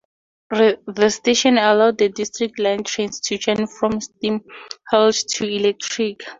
The station allowed the District line trains to change from steam haulage to electric.